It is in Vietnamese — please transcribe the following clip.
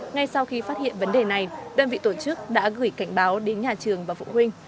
ngay sau khi phát hiện vấn đề này đơn vị tổ chức đã gửi cảnh báo đến nhà trường và phụ huynh